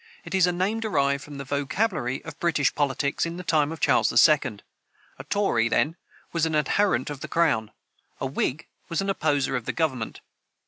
It is a name derived from the vocabulary of English politics in the time of Charles II. A tory, then, was an adherent of the crown; a whig was an opposer of the government.